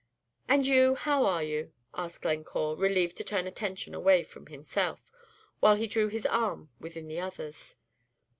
"And you how are you?" asked Glencore, relieved to turn attention away from himself, while he drew his arm within the other's.